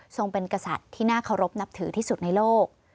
เป็นกษัตริย์ที่น่าเคารพนับถือที่สุดในโลก